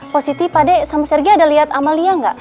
positi pade sama sergei ada lihat amalia gak